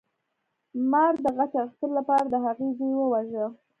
مار د غچ اخیستلو لپاره د هغه زوی وواژه.